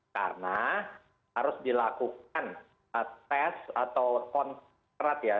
karena harus dilakukan tes atau kontak erat ya